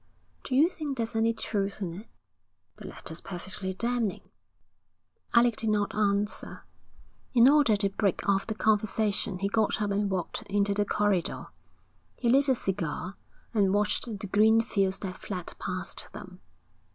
'Do you think there's any truth in it?' 'The letter's perfectly damning.' Alec did not answer. In order to break off the conversation he got up and walked into the corridor. He lit a cigar and watched the green fields that fled past them.